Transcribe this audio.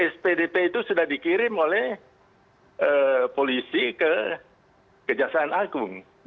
spdp itu sudah dikirim oleh polisi ke kejaksaan agung